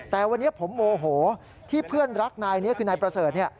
แต่วันนี้ผมโมโหที่เพื่อนรักนายนี้คือนายประเสริฐ